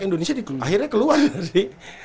indonesia akhirnya keluar dari